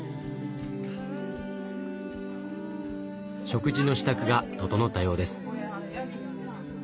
食事の支度が整ったようです。